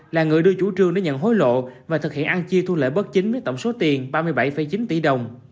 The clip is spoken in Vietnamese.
là người đưa chủ trương đến nhận hối lộ và thực hiện ăn chia thu lễ bất chính với tổng số tiền ba mươi bảy chín tỷ đồng